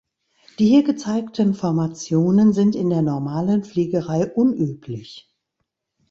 Die hier gezeigten Formationen sind in der normalen Fliegerei unüblich.